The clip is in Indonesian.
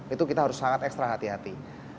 itu kita harus sangat ekstra hati hati